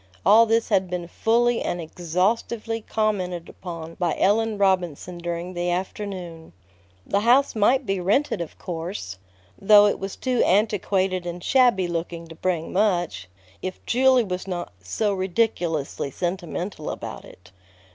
All this had been fully and exhaustively commented upon by Ellen Robinson during the afternoon. The house might be rented, of course though it was too antiquated and shabby looking to bring much if Julia was not "so ridiculously sentimental about it."